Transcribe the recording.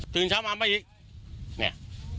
ตื่นเช้ามาอีกเนี่ย